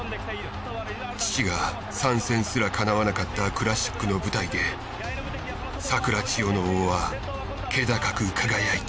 父が参戦すらかなわなかったクラシックの舞台でサクラチヨノオーは気高く輝いた。